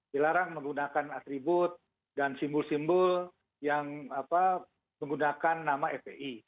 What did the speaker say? dilarang menggunakan atribut dan simbol simbol yang menggunakan nama fpi